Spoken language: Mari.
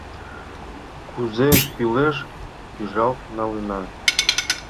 Кузе кӱлеш, пӱжалт налына.